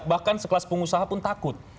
bahkan sekelas pengusaha pun takut